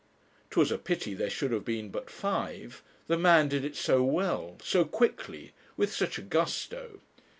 'Twas a pity there should have been but five; the man did it so well, so quickly, with such a gusto!